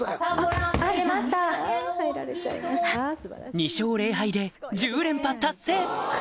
２勝０敗で１０連覇達成！